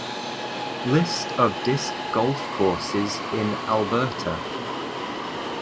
List of disc golf courses in Alberta